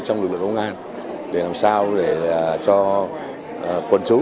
trong lực lượng công an để làm sao để cho quân chúng